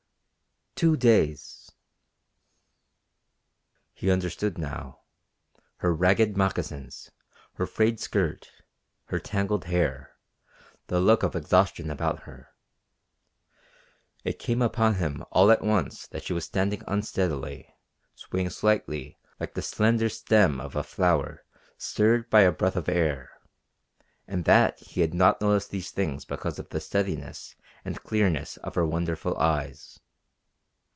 "Two days." He understood now her ragged moccasins, her frayed skirt, her tangled hair, the look of exhaustion about her. It came upon him all at once that she was standing unsteadily, swaying slightly like the slender stem of a flower stirred by a breath of air, and that he had not noticed these things because of the steadiness and clearness of her wonderful eyes.